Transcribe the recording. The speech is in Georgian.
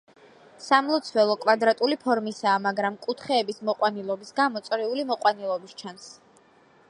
სამლოცველო კვადრატული ფორმისაა, მაგრამ კუთხეების მოყვანილობის გამო წრიული მოყვანილობის ჩანს.